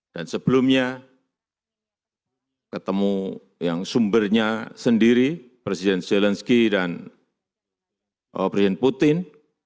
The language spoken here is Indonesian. sebelumnya ketemu yang sumbernya sendiri presiden zelensky dan brian putin